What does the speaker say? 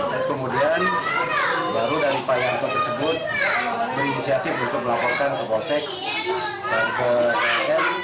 terus kemudian baru dari pak yanto tersebut berinisiatif untuk melaporkan ke polsek dan ke kln